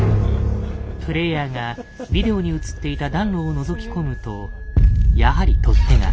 プレイヤーがビデオに映っていた暖炉をのぞき込むとやはり取っ手が。